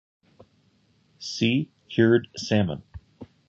See cured salmon.